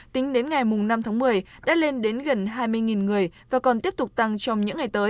tính đến ngày năm tháng một mươi đã lên đến gần hai mươi người và còn tiếp tục tăng trong những ngày tới